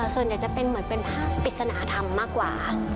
ส่วนใหญ่จะเป็นเหมือนเป็นภาพปริศนธรรมมากกว่า